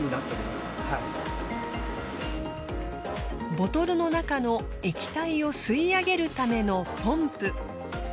ボトルの中の液体を吸い上げるためのポンプ。